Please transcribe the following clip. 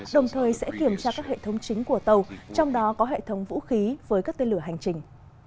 đồng thời sẽ kiểm tra các hệ thống chính của tàu trong đó có hệ thống vũ khí với các tên lửa hành trình